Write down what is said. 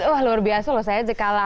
wah luar biasa loh saya jekala